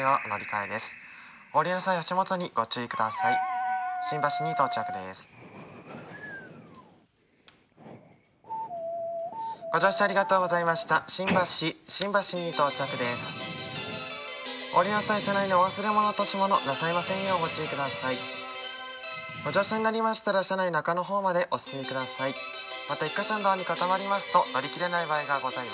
ご乗車になりましたら、車内中のほうまで、お進みください。